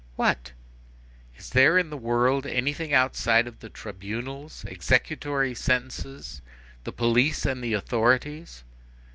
What? Is there in the world, anything outside of the tribunals, executory sentences, the police and the authorities?